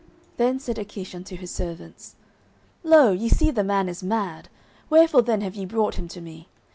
09:021:014 Then said Achish unto his servants, Lo, ye see the man is mad: wherefore then have ye brought him to me?